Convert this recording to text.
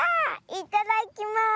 いただきます！